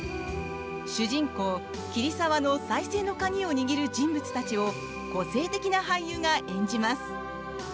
主人公・桐沢の再生の鍵を握る人物たちを個性的な俳優が演じます。